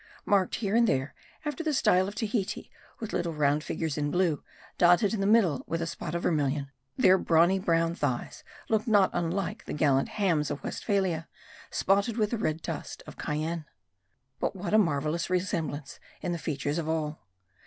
Marked, here and there, after the style of Tahiti, with little round figures in blue, dotted in the middle with a spot of vermilion, their brawny brown thighs looked not unlike the gallant hams of Westphalia, spotted with the red dust of Cayenne. But what a marvelous resemblance in the features of all.